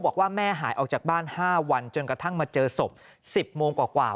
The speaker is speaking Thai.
บอกว่าแม่หายออกจากบ้าน๕วันจนกระทั่งมาเจอศพ๑๐โมงกว่า